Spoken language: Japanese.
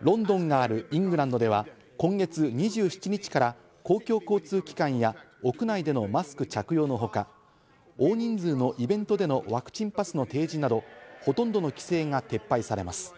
ロンドンがあるイングランドでは今月２７日から公共交通機関や屋内でのマスク着用のほか、大人数のイベントでのワクチンパスの提示など、ほとんどの規制が撤廃されます。